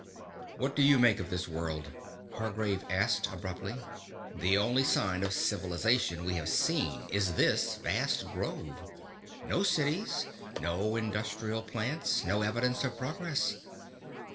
"What do you make of this world?" Hargraves asked abruptly. "The only sign of civilization we have seen is this vast grove. No cities, no industrial plants, no evidence of progress.